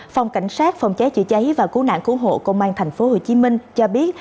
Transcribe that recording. phòng cảnh sát phòng cháy chữa cháy và cứu nạn cứu hộ công an tp hcm cho biết